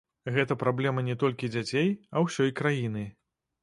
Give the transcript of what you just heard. Гэта праблема не толькі дзяцей, а ўсёй краіны.